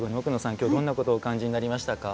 きょうどんなことをお感じになりましたか。